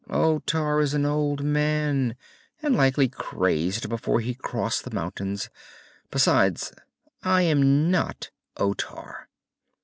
"Otar is an old man, and likely crazed before he crossed the mountains. Besides I am not Otar."